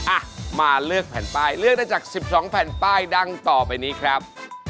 อ่ะมาเลือกแผ่นป้ายเลือกได้จาก๑๒แผ่นป้ายดังต่อไปนี้ครับ